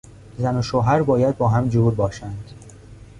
زن و شوهر باید با هم جور باشند.